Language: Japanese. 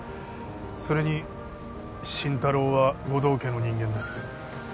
それに心太朗は護道家の人間です